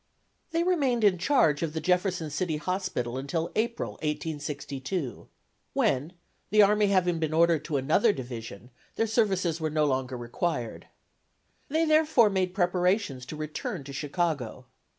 They remained in charge of the Jefferson City Hospital until April, 1862, when, the army having been ordered to another division, their services were no longer required. They, therefore, made preparations to return to Chicago.